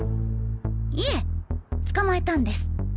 いえ捕まえたんです。